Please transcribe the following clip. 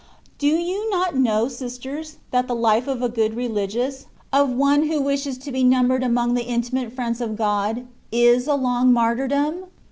* Do you not know, sisters, that the life of a good ReUgious, of one who wishes to be numbered among the intimate friends of God, is a long martyrdom